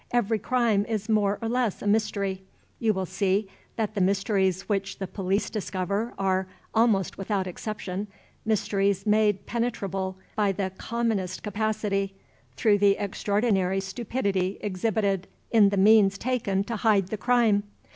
Every crime is more or less a mystery. You will see that the mysteries which the police discover are, almost without exception, mysteries made penetrable by the commonest capacity, through the extraordinary stupidity exhibited in the means taken to hide the crime.